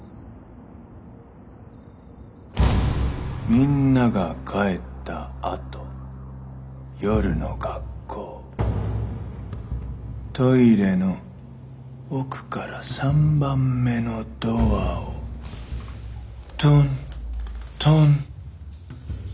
みんなが帰ったあと夜の学校トイレの奥から３番目のドアをトントントン。